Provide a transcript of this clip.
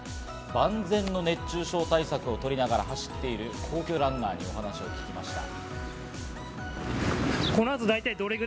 万全の熱中症対策をとりながら走っている皇居ランナーにお話を聞きました。